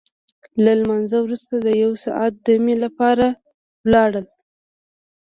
له لمانځه وروسته د یو ساعت دمې لپاره ولاړل.